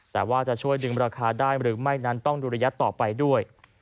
แต่ว่าจะช่วยดึงราคาได้หรือไม่นั้นต้องดูระยะต่อไปด้วย